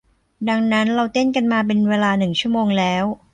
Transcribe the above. ดังนั้นเราเต้นกันมาเป็นเวลาหนึ่งชั่วโมงแล้ว